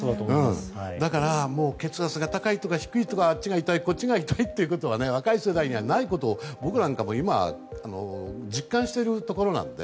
だから、血圧が高いとか低いとかあっちが痛いこっちが痛いっていう若い世代にはないことを僕なんかも今、実感しているところなので。